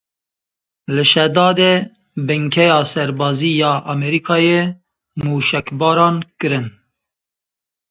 Li Şedadê binkeya serbazî ya Amerîkayê mûşekbaran kirin.